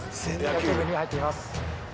野球部に入っています。